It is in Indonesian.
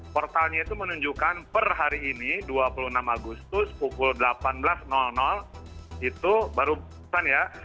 portalnya itu menunjukkan per hari ini dua puluh enam agustus pukul delapan belas itu barusan ya